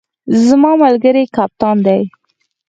زما ملګری کپتان دی